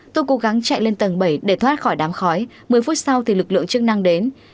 tôi cố gắng chạy lên tầng bảy để thoát khỏi đám khói một mươi phút sau thì lực lượng chức năng đến